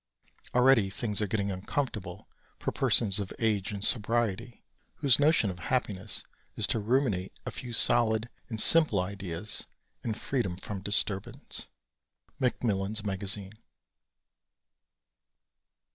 Already things are getting uncomfortable for persons of age and sobriety, whose notion of happiness is to ruminate a few solid and simple ideas in freedom from disturbance. _Macmillan's Magazine.